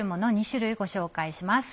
２種類ご紹介します。